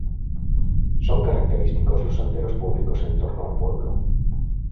Son característicos los senderos públicos en torno al pueblo.